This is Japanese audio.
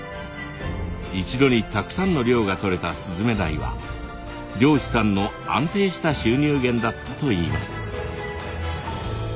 一度にたくさんの量がとれたスズメダイは漁師さんの安定した収入源だったといいます。